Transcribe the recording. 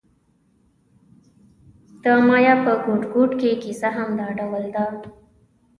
د مایا په ګوټ ګوټ کې کیسه همدا ډول ده